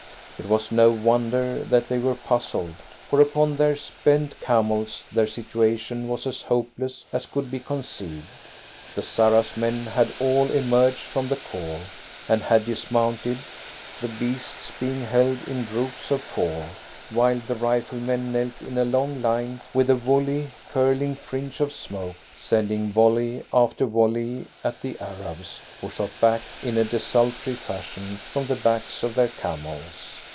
It was no wonder that they were puzzled, for upon their spent camels their situation was as hopeless as could be conceived. The Sarras men had all emerged from the khor, and had dismounted, the beasts being held in groups of four, while the rifle men knelt in a long line with a woolly, curling fringe of smoke, sending volley after volley at the Arabs, who shot back in a desultory fashion from the backs of their camels.